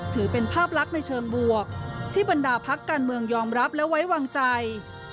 ถือเป็นภาพลักษณ์ในเชิงบวกที่บรรดาพักการเมืองยอมรับและไว้วางใจ